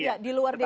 ya di luar dki